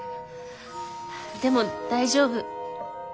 でも大丈夫。